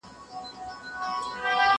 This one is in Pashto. پلان جوړ کړه!